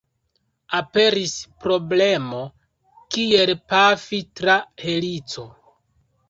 Aperis problemo, kiel pafi tra helico.